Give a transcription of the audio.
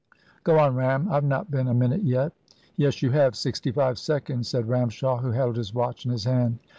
"Go on, Ram, I've not been a minute yet." "Yes, you have sixty five seconds," said Ramshaw, who held his watch in his hand.